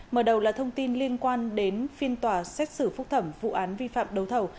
mở đầu là thông tin liên quan đến phiên tòa xét xử phúc thẩm vụ án vi phạm đấu thầu